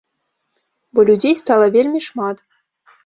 Бо людзей стала вельмі шмат.